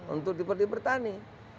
untuk tiba tiba bertani